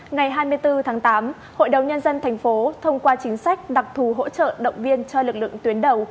ngày hai mươi bốn tháng tám hội đồng nhân dân thành phố thông qua chính sách đặc thù hỗ trợ động viên cho lực lượng tuyến đầu